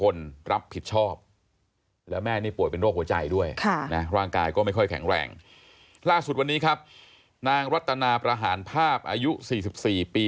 นางรัตนาประหารภาพอายุ๔๔ปี